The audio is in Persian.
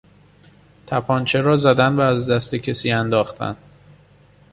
تپانچه را زدن و از دست کسی انداختن